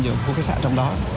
nhiều khu khách sạn trong đó